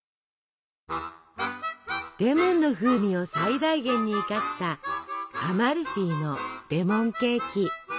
レモンの風味を最大限に生かしたアマルフィのレモンケーキ。